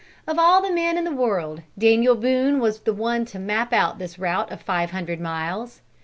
Of all the men in the world, Daniel Boone was the one to map out this route of five hundred miles.